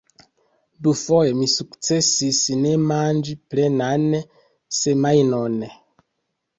Dufoje mi sukcesis ne manĝi plenan semajnon.